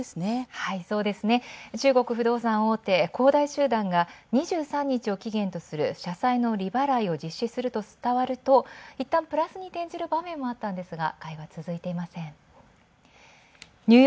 はい、そうですね中国不動産大手、恒大集団が２３日を期限とする社債の利払いを実施すると伝わる、いったん転じる場面ありましたが買いが続いていません。